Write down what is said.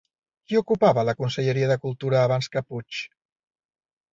Qui ocupava la conselleria de Cultura abans que Puig?